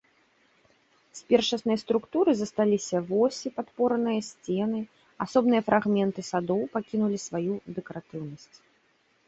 З першаснай структуры засталіся восі, падпорныя сцены, асобныя фрагменты садоў пакінулі сваю дэкаратыўнасць.